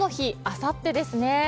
あさってですね。